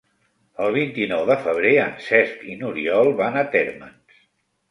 El vint-i-nou de febrer en Cesc i n'Oriol van a Térmens.